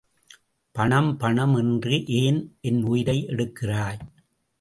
பணம் பணம் என்று ஏன் என் உயிரை எடுக்கிறாய்!